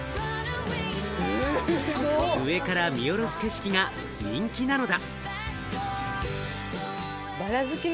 上から見下ろす景色が人気なのだ。